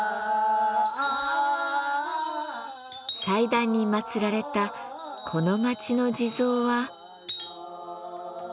祭壇に祭られたこの町の地蔵は。